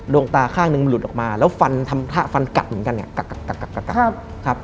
โดงตาข้างนึงมันหลุดออกมาแล้วฟันทำท่าฟันกัดเหมือนกัน